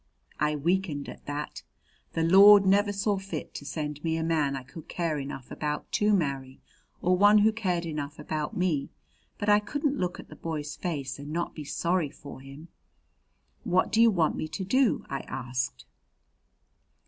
I weakened at that. The Lord never saw fit to send me a man I could care enough about to marry, or one who cared enough about me, but I couldn't look at the boy's face and not be sorry for him. "What do you want me to do?" I asked.